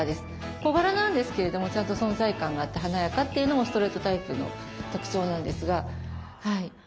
小柄なんですけれどもちゃんと存在感があって華やかというのもストレートタイプの特徴なんですが。